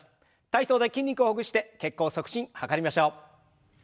体操で筋肉をほぐして血行促進図りましょう。